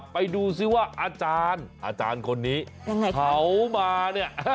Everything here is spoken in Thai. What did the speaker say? ไปดูซิว่าอาจารย์อาจารย์คนนี้เขามาเนี่ย